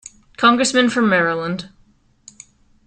Congressmen from Maryland.